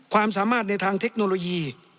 ความสามารถในทางเทคโนโลยี